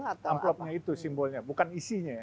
amplopnya itu simbolnya bukan isinya ya